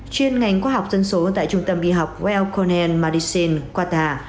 chuyên ngành khoa học dân số tại trung tâm bi học well connected medicine qatar